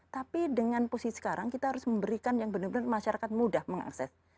tapi dengan posisi sekarang kita harus memberikan yang benar benar masyarakat mudah mengakses